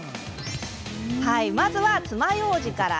まずは、つまようじから。